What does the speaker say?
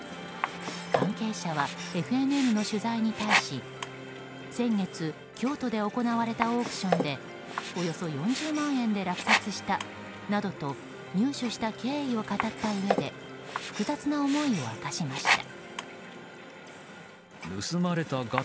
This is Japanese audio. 関係者は、ＦＮＮの取材に対し先月、京都で行われたオークションでおよそ４０万円で落札したなどと入手した経緯を語ったうえで複雑な思いを明かしました。